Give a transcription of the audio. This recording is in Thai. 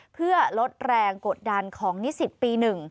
เพื่อลดแรงกดดันของนิสิตปี๑